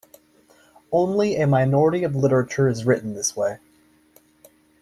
Only a minority of literature is written this way.